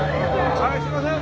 はいすいません。